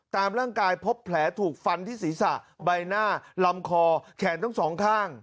ตามร่างกายพบแผลถูกฟันที่ศีรษะใบหน้าลำคอแขนทั้งสองข้าง